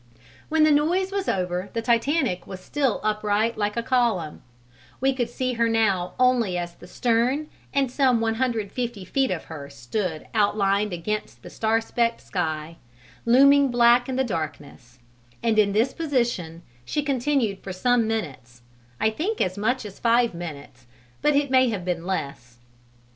When the noise was over the Titanic was still upright like a column: we could see her now only as the stern and some 150 feet of her stood outlined against the star specked sky, looming black in the darkness, and in this position she continued for some minutes I think as much as five minutes, but it may have been less.